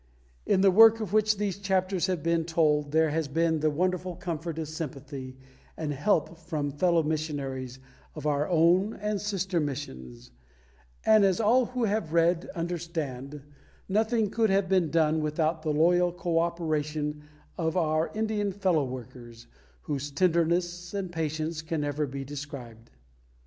In the work of which these chapters have told there has been the wonderful comfort of sympathy and help from fellow missionaries of our own and sister missions; and, as all who have read, understand, nothing could have been done without the loyal co operation of our Indian fellow workers whose tenderness and patience can never be described.